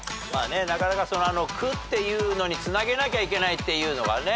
なかなか「く」っていうのにつなげなきゃいけないっていうのが。